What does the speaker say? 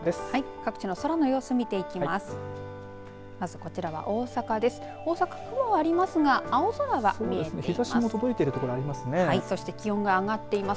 各地の空の様子を見ていきます。